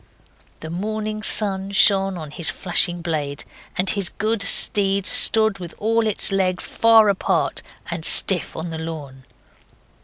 The morning sun shone on his flashing blade, and his good steed stood with all its legs far apart and stiff on the lawn.